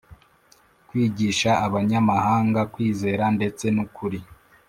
kwigisha abanyamahanga kwizera ndetsen’ ukuri